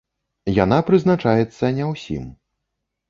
Яна прызначаецца не ўсім.